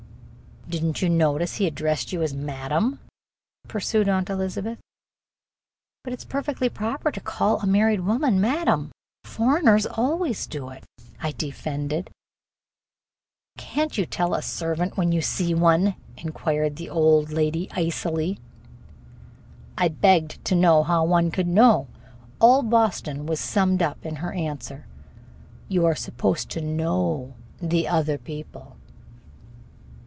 "Didn't you notice he addressed you as 'Madam'?" pursued Aunt Elizabeth. "But it 's perfectly proper to call a married woman 'Madam.' Foreigners always do," I defended. "Can't you tell a servant when you see one?" inquired the old lady icily. I begged to know how one could. All Boston was summed up in her answer: "You are supposed to know the other people."